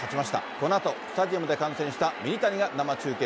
このあと、スタジアムで観戦したミニタニが生中継。